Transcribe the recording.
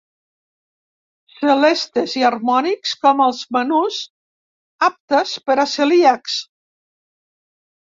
Celestes i harmònics com els menús aptes per a celíacs.